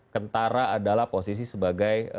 kentara adalah posisi sebagai